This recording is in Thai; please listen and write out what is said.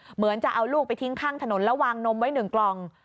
เหมือนจะเอาลูกไปทิ้งข้างถนนแล้ววางนมไว้๑กล่อง